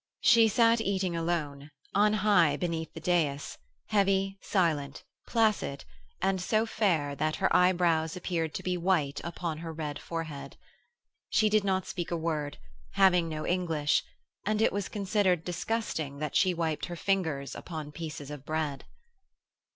She sat eating alone, on high beneath the dais, heavy, silent, placid and so fair that her eyebrows appeared to be white upon her red forehead. She did not speak a word, having no English, and it was considered disgusting that she wiped her fingers upon pieces of bread.